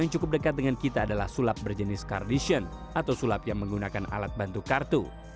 yang cukup dekat dengan kita adalah sulap berjenis cardishion atau sulap yang menggunakan alat bantu kartu